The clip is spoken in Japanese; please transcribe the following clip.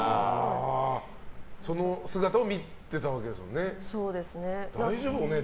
その姿を見てたわけですよね。